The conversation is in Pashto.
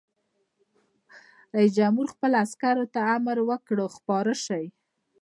رئیس جمهور خپلو عسکرو ته امر وکړ؛ خپاره شئ!